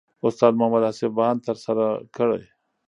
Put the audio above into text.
استاد محمد اصف بهاند ترسره کړی.